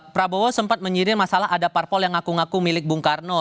prabowo sempat menyirir masalah ada parpol yang ngaku ngaku milik bung karno